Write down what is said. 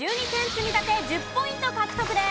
積み立て１０ポイント獲得です。